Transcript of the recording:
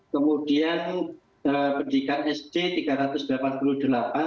kemudian pendidikan sd tiga ratus delapan puluh delapan